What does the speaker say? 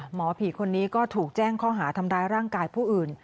หมอผีคนนี้ก็ถูกแจ้งข้อหาทำร้ายร่างกายผู้อื่น